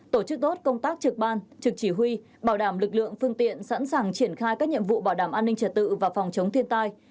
tổ chức tốt công tác trực ban trực chỉ huy bảo đảm lực lượng phương tiện sẵn sàng triển khai các nhiệm vụ bảo đảm an ninh trật tự và phòng chống thiên tai